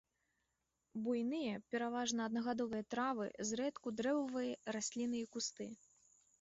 Буйныя, пераважна аднагадовыя травы, зрэдку дрэвавыя расліны і кусты.